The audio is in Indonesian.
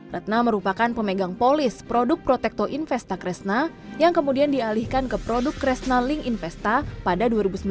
retna merupakan pemegang polis produk protekto investa kresna yang kemudian dialihkan ke produk kresna link investa pada dua ribu sembilan belas